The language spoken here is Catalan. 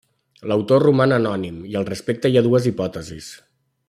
L'autor roman anònim i al respecte hi ha dues hipòtesis.